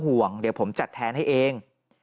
ห่วงเดี๋ยวผมจัดแทนให้เอง